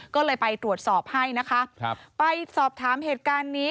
ก็เลยไปตรวจสอบให้นะคะไปสอบถามเหตุการณ์นี้